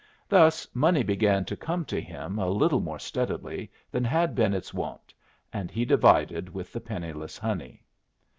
Thus money began to come to him a little more steadily than had been its wont, and he divided with the penniless Honey.